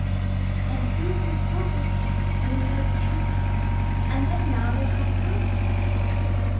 And soon the soldiers came, and we heard the trumpets, and then Naldo had the coat."